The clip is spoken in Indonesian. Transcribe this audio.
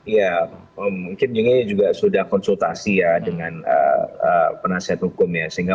ya mungkin juga sudah konsultasi ya dengan penasihat hukum ya